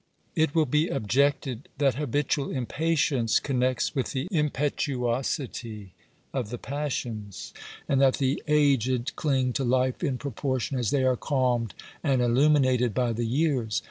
It will be objected that habitual impatience connects with the impetuosity of the passions, and that the aged cling to life in proportion as they are calmed and illumi nated by the years.